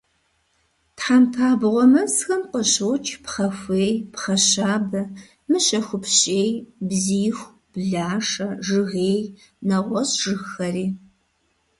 Тхьэмпабгъуэ мэзхэм къыщокӀ пхъэхуей, пхъэщабэ, мыщэхупщей, бзииху, блашэ, жыгей, нэгъуэщӀ жыгхэри.